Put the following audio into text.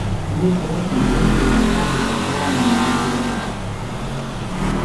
Dimecres en Juli i na Clàudia volen anar a Vilabella.